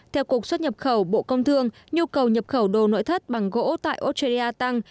theo cục xuất nhập khẩu bộ công thương nhu cầu nhập khẩu đồ nội thất bằng gỗ tại australia tăng